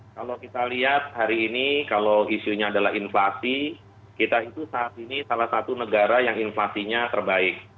kalau kita lihat hari ini kalau isunya adalah inflasi kita itu saat ini salah satu negara yang inflasinya terbaik